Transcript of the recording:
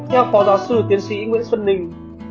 theo phó giáo sư tiến sĩ nguyễn xuân ninh